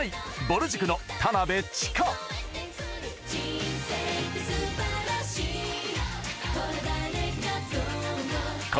ぼる塾の田辺智加！